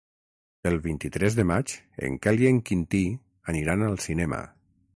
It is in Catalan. El vint-i-tres de maig en Quel i en Quintí aniran al cinema.